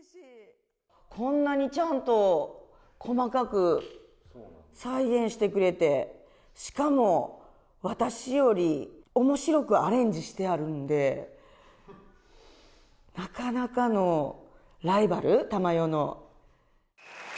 こんなにちゃんと細かく再現してくれて、しかも、私よりおもしろくアレンジしてあるんで、なかなかのライバル、珠代の。